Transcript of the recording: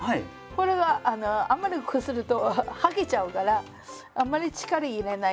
これがあんまりこすると剥げちゃうからあんまり力入れない。